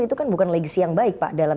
itu kan bukan legasi yang baik pak dalam